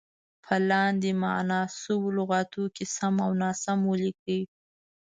په لاندې معنا شوو لغتونو کې سم او ناسم ولیکئ.